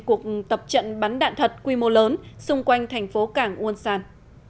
cuộc tập trận bắn đạn thật quy mô lớn xung quanh thành phố cảng uôn sản